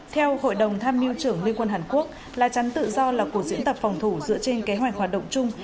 theo hội đồng tham mưu trưởng liên quân hàn quốc lá chắn tự do là cuộc diễn tập phòng thủ dựa trên kế hoạch hoạt động chung